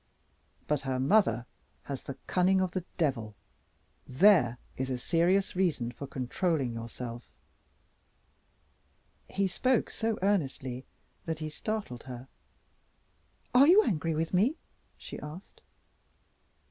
But her mother has the cunning of the devil. There is a serious reason for controlling yourself." He spoke so earnestly that he startled her. "Are you angry with me?" she asked.